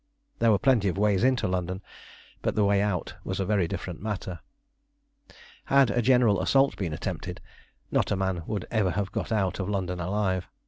There were plenty of ways into London, but the way out was a very different matter. Had a general assault been attempted, not a man would ever have got out of London alive.